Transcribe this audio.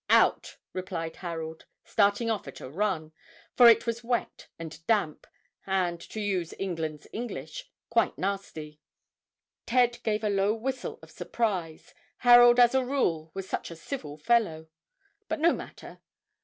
"Out," replied Harold, starting off at a run, for it was wet and damp, and, to use England's English, "quite nasty." Ted gave a low whistle of surprise, Harold as a rule was such a civil fellow. But no matter.